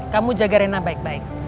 kamu jaga rena baik baik